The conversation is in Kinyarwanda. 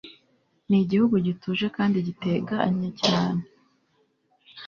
Nigihugu gituje kandi gitekanye cyane